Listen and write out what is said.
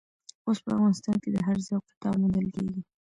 اوس په افغانستان کې د هر ذوق کتاب موندل کېږي.